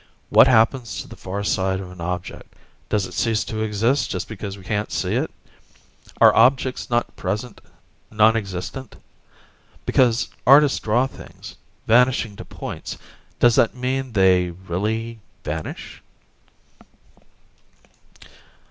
What happens to the far side of an object; does it cease to exist just because we can't see it? Are objects not present nonexistent? Because artists draw things vanishing to points, does that mean that they really vanish?"